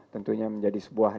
tentunya menjadi sebuah demokrasi